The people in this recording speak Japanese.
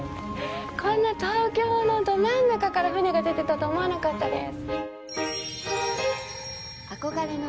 こんな東京のど真ん中から船が出てたと思わなかったです。